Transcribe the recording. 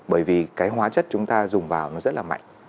bởi vì cái hóa chất chúng ta dùng vào nó rất là mạnh